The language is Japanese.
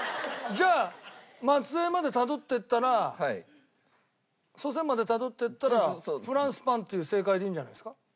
じゃあ末裔までたどっていったら祖先までたどっていったらフランスパンっていう正解でいいんじゃないですか？